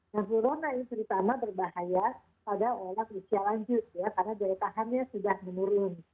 nah corona itu terutama berbahaya pada orang usia lanjut ya karena jauh tahannya sudah menurun